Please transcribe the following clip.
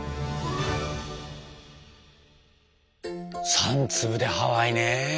３粒でハワイね。